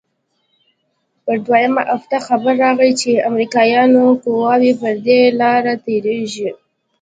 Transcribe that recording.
پر دويمه هفته خبر راغى چې امريکايانو قواوې پر دې لاره تېريږي.